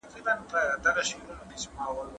مفاهیم د څیړنې د دقت هدف لري.